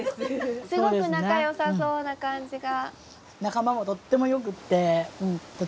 すごく仲よさそうな感じが。